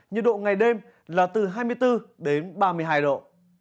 nhiệt độ ngày đêm là từ hai mươi bốn đến ba mươi hai độ